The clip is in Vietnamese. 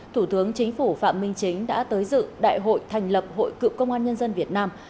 thủ tướng chính phủ phạm minh chính đã tới dự đại hội thành lập hội cựu công an nhân dân việt nam